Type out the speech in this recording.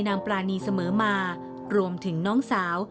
ปรานีเสมอมารวมถึงน้องสาว